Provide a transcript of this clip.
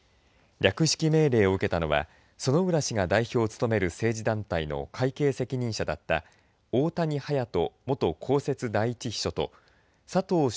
略式命令を受けたのは薗浦氏が代表を務める政治団体の会計責任者だった大谷勇人元公設第１秘書と佐藤尚